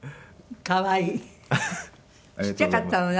ちっちゃかったのね